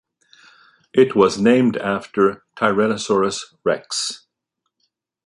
It was named after "Tyrannosaurus rex".